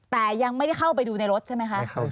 แต่ยังไม่ได้เข้าไปดูในรถใช่ไหมคะ